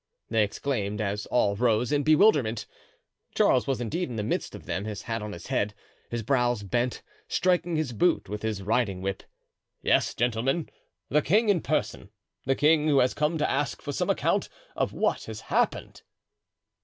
they exclaimed, as all rose in bewilderment. Charles was indeed in the midst of them, his hat on his head, his brows bent, striking his boot with his riding whip. "Yes, gentlemen, the king in person, the king who has come to ask for some account of what has happened."